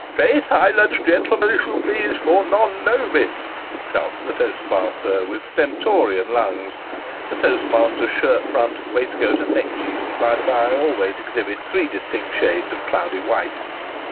" Pray, silence, gentlemen, if you please, for Non nobis I " shouts the toastmaster with stentorian lungs a toastmaster's shirt front, waistcoat, and neckerchief, by the bye, always exhibit three distinct shades of cloudy white.